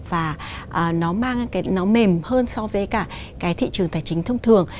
và nó mang cái nó mềm hơn so với cả cái thị trường tài chính thông thường